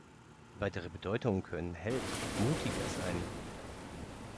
Weitere Bedeutungen können „Held“, „Mutiger“ sein.